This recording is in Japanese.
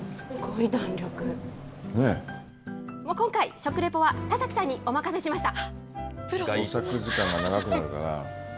今回、食レポは田崎さんにお任せしました。